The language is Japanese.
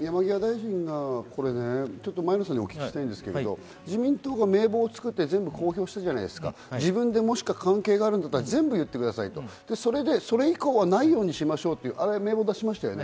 山際大臣がちょっと前野さんにお聞きしたいんですが、自民党が名簿を作って公表したじゃないですか、自分で関係があるんだったら言ってください、それで、それ以降はないようにしましょうという名簿を出しましたよね。